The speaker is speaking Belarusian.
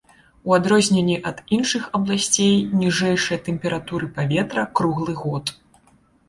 У адрозненне ад іншых абласцей ніжэйшыя тэмпературы паветра круглы год.